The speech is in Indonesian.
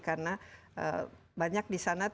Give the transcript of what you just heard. karena banyak di sana